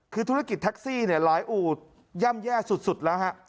คือธุรกิจแท็กซี่หลายอูห์ยั่มแย่สุดแล้วฮะ